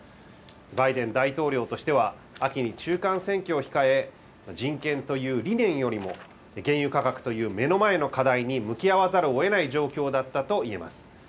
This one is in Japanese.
バイデン大統領としては、秋に中間選挙を控え、人権という理念よりも、原油価格という目の前の課題に向き合わざるをえない状況だったと言えます。